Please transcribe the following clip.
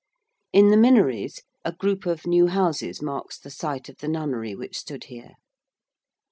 In the Minories a group of new houses marks the site of the nunnery which stood here.